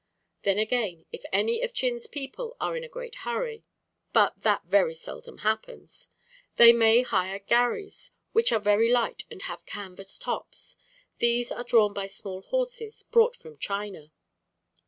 Then, again, if any of Chin's people are in a great hurry (but that very seldom happens), they may hire gharries, which are very light and have canvas tops. These are drawn by small horses brought from China.